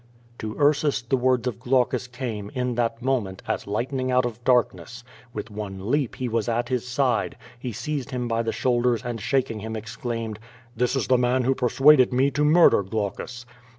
To Ursus the words of Glaucus came, in that moment, as lightning out of darkness. With one leap he was at his side. He seized him by the shoulders, and, shaking him, exclaimed: "This is the man who p(»rsuaded me to murder Glaucus."